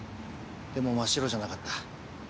でも真っ白じゃなかった。